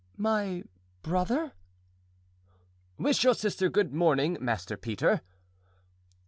"My brother?" "Wish your sister good morning, Master Peter."